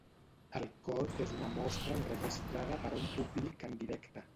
El cor és una mostra enregistrada per a un públic en directe.